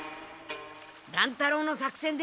乱太郎の作戦で。